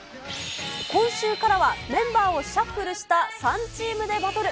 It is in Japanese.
今週からは、メンバーをシャッフルした３チームでバトル。